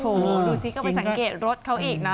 อ๋อถูปลูกดูซิก่อนไปสังเกตเบอร์รถเค้าอีกน่ะ